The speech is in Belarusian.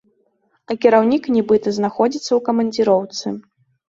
А кіраўнік, нібыта, знаходзіцца ў камандзіроўцы.